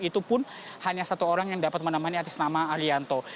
dan itu pun hanya satu orang yang dapat menemani artis nama arianto